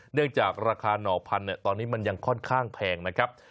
จากราคาหน่อพันธุ์ตอนนี้มันยังค่อนข้างแพงนะครับ